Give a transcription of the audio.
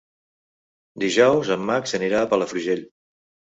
Dijous en Max anirà a Palafrugell.